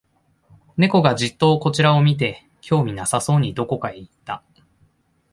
猫がじっとこちらを見て、興味なさそうにどこかへ行った